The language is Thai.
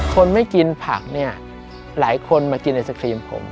คนไม่กินผักเนี่ยหลายคนมากินไอศครีมผม